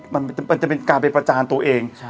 มันจะเป็นการไปประจานตัวเอง